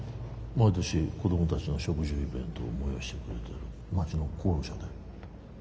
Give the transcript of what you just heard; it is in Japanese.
毎年子どもたちの植樹イベントを催してくれてる街の功労者だよ。